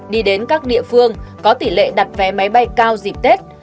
đi đến các địa phương có tỷ lệ đặt vé máy bay cao dịp tết